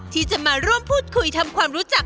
ที่จะมาร่วมพูดคุยทำความรู้จัก